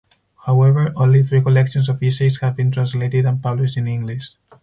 However only three collections of essays have been translated and published in English.